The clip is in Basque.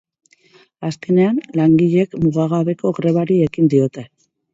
Azkenean, langileek mugagabeko grebari ekin diote.